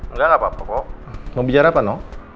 enggak gapapa kok mau bicara apa noh